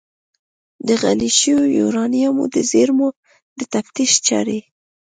د غني شویو یورانیمو د زیرمو د تفتیش چارې